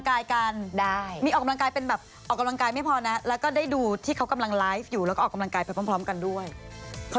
น่ารักค่ะใส่ใจดูแลทุกว่าย่ะ